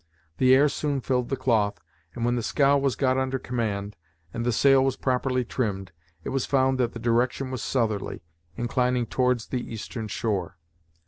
The air soon filled the cloth, and when the scow was got under command, and the sail was properly trimmed, it was found that the direction was southerly, inclining towards the eastern shore.